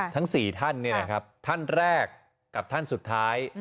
ทั้ง๔ท่านเนี่ยครับท่านแรกกับท่านสุดท้าย